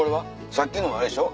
さっきのあれでしょ